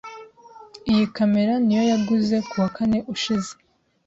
Iyi kamera niyo yaguze kuwa kane ushize.